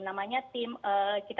namanya tim vaksinasi